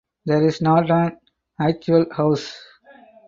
There is not an actual "house".